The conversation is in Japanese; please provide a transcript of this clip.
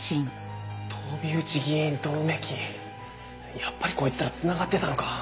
やっぱりこいつら繋がってたのか！